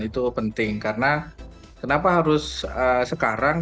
itu penting karena kenapa harus sekarang